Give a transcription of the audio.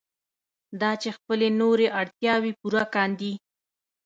دا چې خپلې نورې اړتیاوې پوره کاندي.